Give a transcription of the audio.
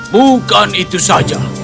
bukan itu saja